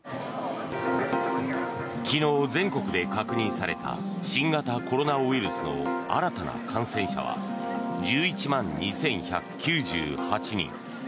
昨日、全国で確認された新型コロナウイルスの新たな感染者は１１万２１９８人。